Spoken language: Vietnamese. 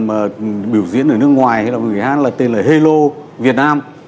mà biểu diễn ở nước ngoài thì là người hát tên là hello việt nam